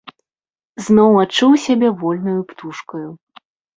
Зноў адчуў сябе вольнаю птушкаю.